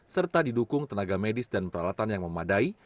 serta didukung tenaga medis dan peralatan yang memadai